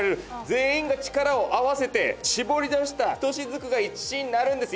全員が力を合わせて搾り出したひとしずくが１シーンになるんです